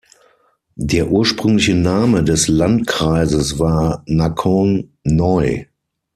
Der ursprüngliche Name des Landkreises war Nakhon Noi.